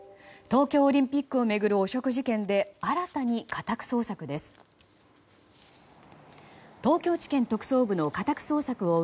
東京オリンピックを巡る汚職事件で新たに家宅捜索です。